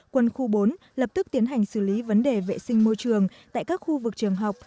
quân khu bốn lập tức tiến hành xử lý vấn đề vệ sinh môi trường tại các khu vực trường học